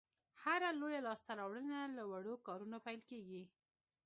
هره لویه لاسته راوړنه له وړو کارونو پیل کېږي.